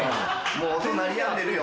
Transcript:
もう音鳴りやんでるよ。